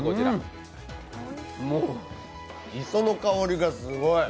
磯の香りがすごい。